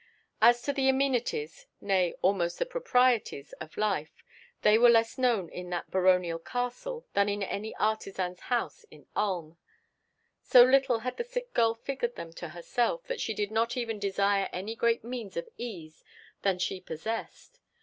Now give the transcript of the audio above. As to the amenities, nay, almost the proprieties, of life, they were less known in that baronial castle than in any artisan's house at Ulm. So little had the sick girl figured them to herself, that she did not even desire any greater means of ease than she possessed.